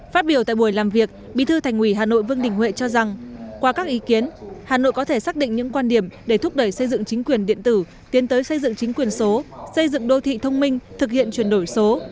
phát biểu tại buổi làm việc bí thư thành ủy hà nội vương đình huệ cho rằng qua các ý kiến hà nội có thể xác định những quan điểm để thúc đẩy xây dựng chính quyền điện tử tiến tới xây dựng chính quyền số xây dựng đô thị thông minh thực hiện chuyển đổi số